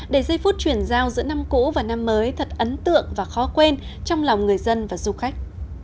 để giây phút chuyển giao giữa năm cũ và năm mới thật ấn tượng và khó quên trong lòng người dân và du khách